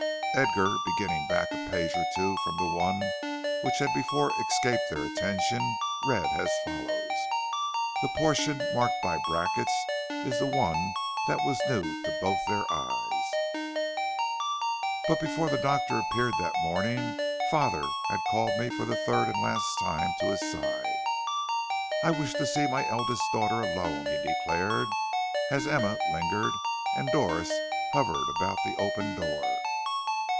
Edgar, beginning back a page or two from the one which had before escaped their attention, read as follows. The portion marked by brackets is the one that was new to both their eyes: "But before the doctor appeared that morning father had called me for the third and last time to his side. "'I wish to see my eldest daughter alone,' he declared, as Emma lingered and Doris hovered about the open door.